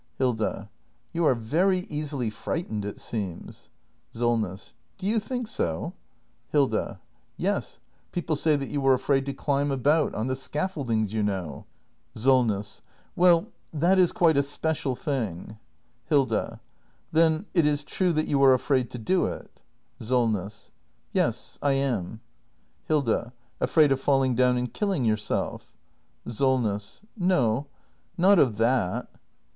Hilda. You are very easily frightened, it seems! Solness. Do you think so ? act in] THE MASTER BUILDER 421 Hilda. Yes; people say that you are afraid to climb about — on the scaffoldings, you know. Solness. Well, that is quite a special thing. Hilda. Then it is true that you are afraid to do it ? Solness. Yes, I am. Hilda. Afraid of falling down and killing yourself ? Solness. No, not of that.